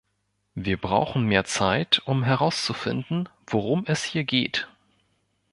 Wir brauchen mehr Zeit, um herauszufinden, worum es hier geht.